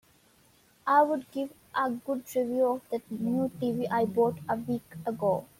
I would give a good review of the new TV I bought a week ago.